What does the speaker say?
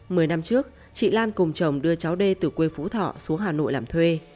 mười năm trước chị lan cùng chồng đưa cháu đê từ quê phú thọ xuống hà nội làm thuê